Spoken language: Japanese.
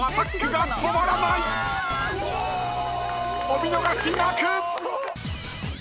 ［お見逃しなく！］